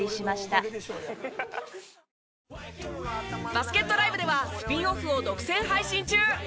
バスケットＬＩＶＥではスピンオフを独占配信中。